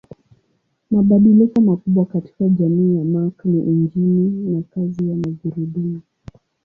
Mabadiliko makubwa katika jamii ya Mark ni injini na kazi ya magurudumu.